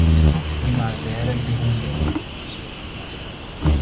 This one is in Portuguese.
Primavera de Rondônia